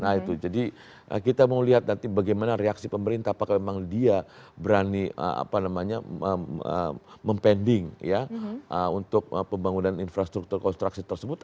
nah itu jadi kita mau lihat nanti bagaimana reaksi pemerintah apakah memang dia berani mempending untuk pembangunan infrastruktur konstruksi tersebut